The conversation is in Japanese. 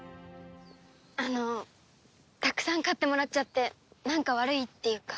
あのたくさん買ってもらっちゃってなんか悪いっていうか。